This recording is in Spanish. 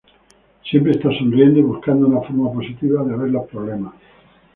Siempre está sonriendo y buscando una forma positiva de ver los problemas.